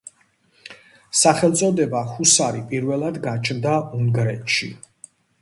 სახელწოდება ჰუსარი პირველად გაჩნდა უნგრეთში.